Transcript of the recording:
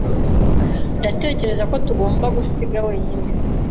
Ndatekereza ko tugomba gusiga wenyine.